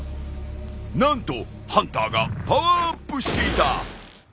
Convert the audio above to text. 何とハンターがパワーアップしていた。